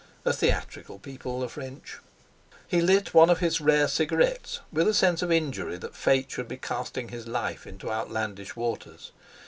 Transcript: A theatrical people, the French! He lit one of his rare cigarettes, with a sense of injury that Fate should be casting his life into outlandish waters.